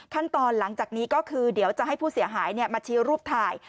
หลังจากนี้ก็คือเดี๋ยวจะให้ผู้เสียหายมาชี้รูปถ่าย